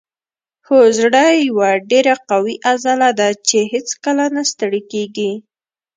هو زړه یوه ډیره قوي عضله ده چې هیڅکله نه ستړې کیږي